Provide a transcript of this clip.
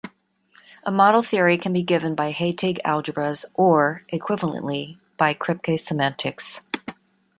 A model theory can be given by Heyting algebras or, equivalently, by Kripke semantics.